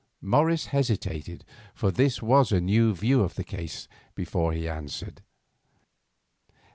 Morris hesitated, for this was a new view of the case, before he answered.